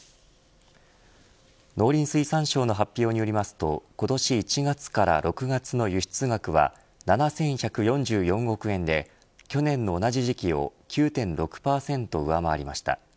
農林水産省の発表によりますと今年１月から６月の輸出額は７１４４億円で去年の同じ時期を９．６％上回りました。